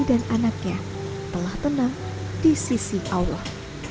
dan anaknya telah tenang di sisi allah